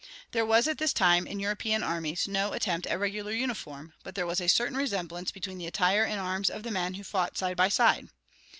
There was at this time, in European armies, no attempt at regular uniform, but there was a certain resemblance between the attire and arms of the men who fought side by side.